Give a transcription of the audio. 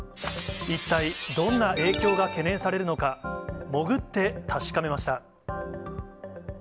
一体どんな影響が懸念されるのか、潜って確かめました。